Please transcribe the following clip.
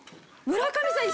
村上さん。